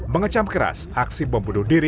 mengecam keras aksi bom bunuh diri